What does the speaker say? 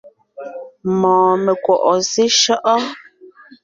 Mɔɔn mekwɔ̀’ɔ seshÿɔ́’ɔ?